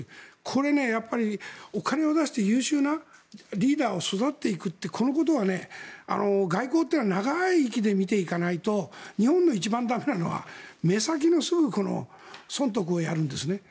これ、お金を出して優秀なリーダーを育てていくってこのことは外交って長い息で見ていかないと日本の一番駄目なのは目先の損得をやるんですね。